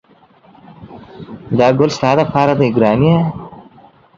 دا ګل ستا لپاره دی ګرانې!